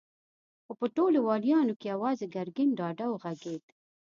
خو په ټولو واليانو کې يواځې ګرګين ډاډه وغږېد.